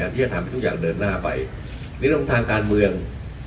ที่จะทำให้ทุกอย่างเดินหน้าไปมีลมทางการเมือง